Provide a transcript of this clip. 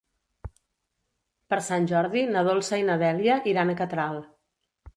Per Sant Jordi na Dolça i na Dèlia iran a Catral.